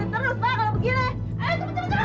bagaimana saya ingat terus sama dia